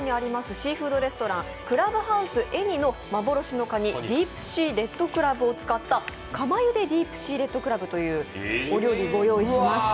シーフードレストラン、クラブハウスエニの幻のかにディープシーレッドクラブを使った釜ゆでディープシーレッドクラブというお料理をご用意しました。